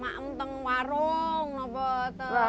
mengajak warung apa itu